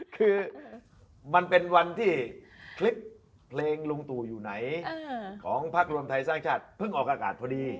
คือมันเป็นวันที่คลิปเพลงลุงตู่อยู่ไหนของพักรวมไทยสร้างชาติเพิ่งออกอากาศพอดี